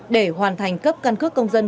để hoàn thành cấp căn cước công dân